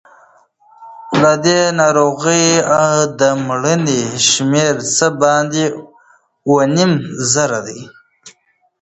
له دې ناروغۍ د مړینې شمېر څه باندې اووه نیم زره دی.